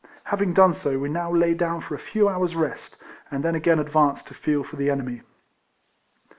Having done so, we now lay down for a few hours' rest, and then again advanced to feel for the enemy.